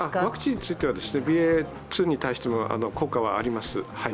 ワクチンについてはＢＡ．２に対しても効果はあります。